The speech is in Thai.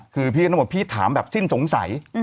คือพี่ก็ต้องบอกพี่ถามแบบสิ้นสงสัย